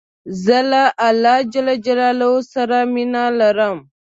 زه له الله ج سره مینه لرم.